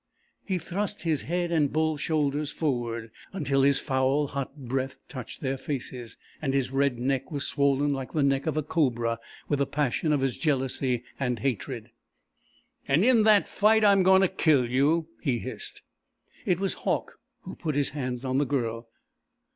He thrust his head and bull shoulders forward until his foul, hot breath touched their faces, and his red neck was swollen like the neck of a cobra with the passion of his jealousy and hatred. "And in that fight I'm going to kill you!" he hissed. It was Hauck who put his hands on the Girl.